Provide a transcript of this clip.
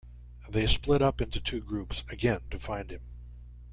They split up into two groups again to find him.